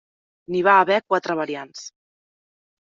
N'hi va haver quatre variants.